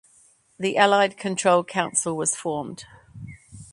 The Allied Control Council was formed.